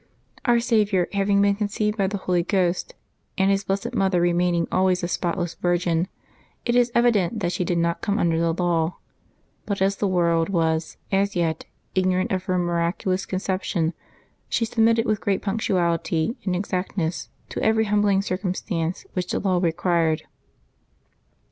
Our Saviour having been conceived by the Holy Ghost, and His blessed Mother remaining always a spotless virgin, it is evident that she did not come under the law; but as the world was, as yet, ignorant of her miraculous concep tion, she submitted with gi eat punctuality and exactness to every humbling circumstance which the law required.